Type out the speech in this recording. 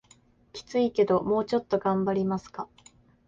キツいけどもうちょっと頑張りますか